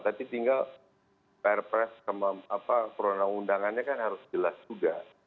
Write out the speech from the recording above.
tapi tinggal pr press perundangannya kan harus jelas juga